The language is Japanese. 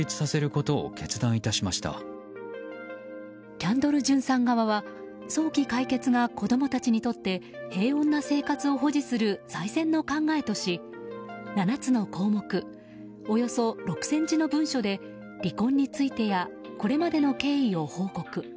キャンドル・ジュンさん側は早期解決が子供たちにとって平穏な生活を保持する最善の考えとし、７つの項目およそ６０００字の文書で離婚についてやこれまでの経緯を報告。